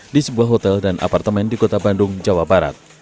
di sebuah hotel dan apartemen di kota bandung jawa barat